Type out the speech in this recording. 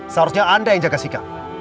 seharusnya anda yang jaga sikap